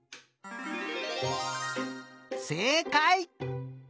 せいかい！